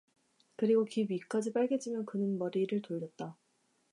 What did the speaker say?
그리고 귀밑까지 빨개지며 그는 머리를 돌렸다.